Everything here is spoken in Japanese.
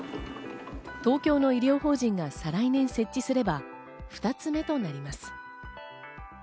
東京の医療法人が再来年に設置すれば、２つ目となります。